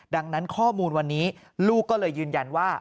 ดังนั้นข้อมูลวันนี้ลูกก็เลยยืนยันว่า